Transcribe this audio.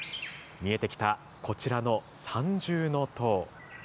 見えてきたこちらの三重塔。